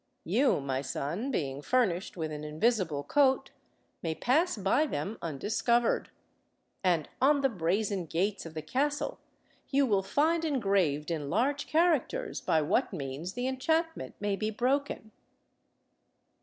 You, my son, being furnished with an invisible coat, may pass by them undiscovered, and on the brazen gates of the castle you will find engraved in large characters by what means the enchantment may be broken."